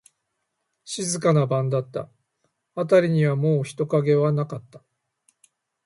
静かな晩だった。あたりにはもう人影はなかった。